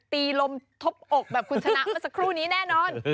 ตีลมทบอกแบบคุณชนะเมื่อสักครู่นี้แน่นอน